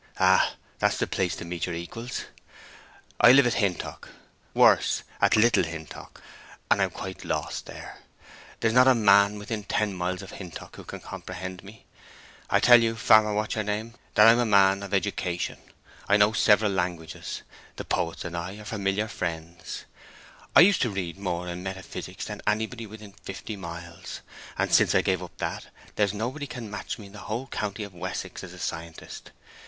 "Ah, that's the place to meet your equals. I live at Hintock—worse, at Little Hintock—and I am quite lost there. There's not a man within ten miles of Hintock who can comprehend me. I tell you, Farmer What's your name, that I'm a man of education. I know several languages; the poets and I are familiar friends; I used to read more in metaphysics than anybody within fifty miles; and since I gave that up there's nobody can match me in the whole county of Wessex as a scientist.